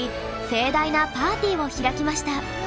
盛大なパーティーを開きました。